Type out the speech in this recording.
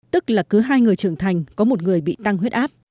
tức là cứ hai người trưởng thành có một người bị tăng huyết áp